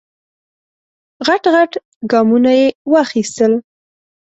غټ غټ ګامونه یې واخیستل.